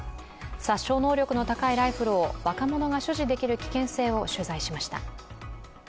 殺傷能力の高いライフルを若者が所持できる危険性を取材しました。